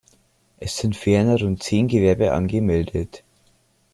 Es sind ferner rund zehn Gewerbe angemeldet.